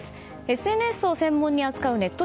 ＳＮＳを専門に扱うネット